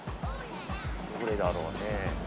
どれだろうねぇ。